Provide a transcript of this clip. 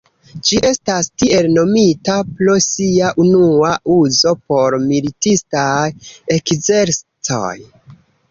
Ĝi estas tiel nomita pro sia unua uzo por militistaj ekzercoj.